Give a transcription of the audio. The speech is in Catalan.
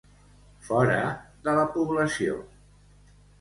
Fora de la població.